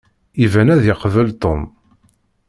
Iban ad yeqbel Tom.